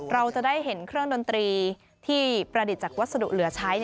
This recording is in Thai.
เราจะได้เห็นเครื่องดนตรีที่ประดิษฐ์จากวัสดุเหลือใช้